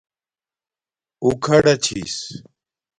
اُݹ کھڑا چِھس